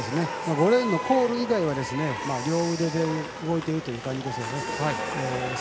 ５レーンのコール以外は両腕で動いているという感じですね。